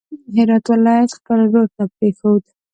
هرات ولایت خپل ورور ته پرېښود.